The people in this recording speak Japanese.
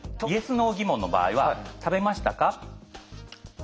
ＹＥＳ・ＮＯ疑問の場合は「食べましたか？」。